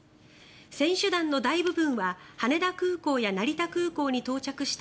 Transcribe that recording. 選手団の大部分は羽田空港や成田空港に到着した